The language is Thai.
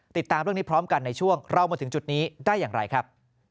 ติดตามเรื่องนี้พร้อมกันในช่วงเรามาถึงจุดนี้ได้อย่างไรครับ